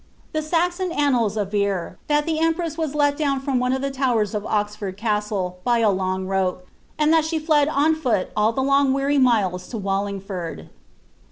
The Saxon annals aver, that the empress was let down from one of the towers of Oxford Castle, by a long rope, and thai she fled on foot all the long weary miles to Wallingford.